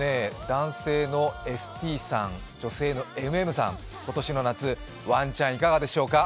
男性のＳＴさん、女性のＭＭさん、今年の夏、ワンチャンいかがでしょうか？